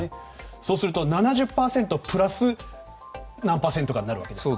そうすると７０％プラス何パーセントかになるわけですか。